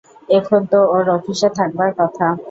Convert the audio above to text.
এখন তো ওঁর অফিসে থাকবায় কথা।